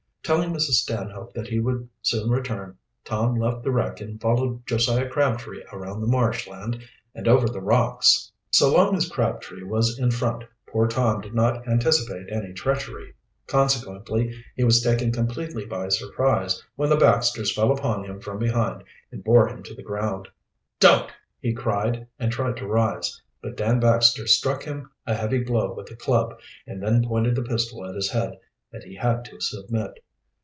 Telling Mrs. Stanhope that he would soon return, Tom left the wreck and followed Josiah Crabtree around the marsh land and over the cocks. So long as Crabtree was in front poor Tom did not anticipate any treachery, consequently he was taken completely by surprise when the Baxters fell upon him from behind and bore him to the ground. "Don't!" he cried, and tried to rise. But Dan Baxter struck him a heavy blow with a club, and then pointed the pistol at his head, and he had to submit.